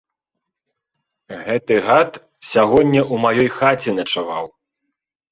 Гэты гад сягоння ў маёй хаце начаваў.